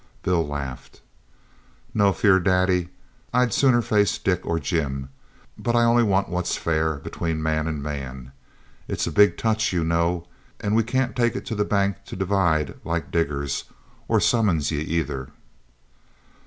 Bill laughed. 'No fear, daddy, I'd sooner face Dick or Jim. But I only want what's fair between man and man. It's a big touch, you know, and we can't take it to the bank to divide, like diggers, or summons yer either.'